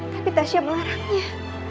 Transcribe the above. tapi tak siap melarangnya